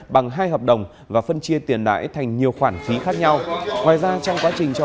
bằng hai hợp đồng và phân chia tiền đãi thành nhiều khoản phí khác nhau ngoài ra trong quá trình cho